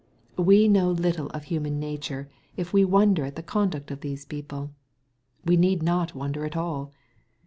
We know little of human nature, if we wonder at the conduct of these people. We need not wonder at all.